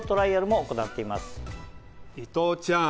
伊藤ちゃん